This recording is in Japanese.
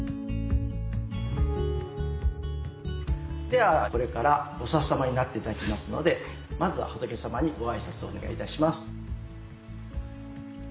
ではこれから菩様になって頂きますのでまずは仏様にご挨拶をお願いいたします。